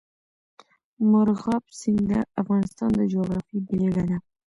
مورغاب سیند د افغانستان د جغرافیې بېلګه ده.